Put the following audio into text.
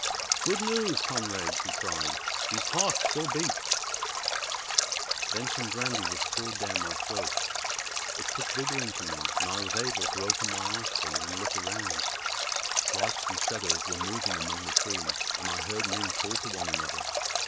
"Good news, comrades!" he cried. "His heart still beats!" Then some brandy was poured down my throat; it put vigour into me, and I was able to open my eyes fully and look around. Lights and shadows were moving among the trees, and I heard men call to one another.